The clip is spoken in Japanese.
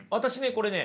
これね